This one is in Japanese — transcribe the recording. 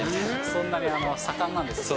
そんなに盛んなんですね。